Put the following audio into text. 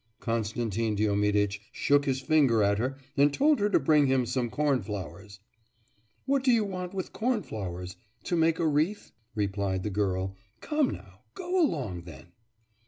Konstantin Diomiditch shook his finger at her and told her to bring him some cornflowers. 'What do you want with cornflowers? to make a wreath?' replied the girl; 'come now, go along then.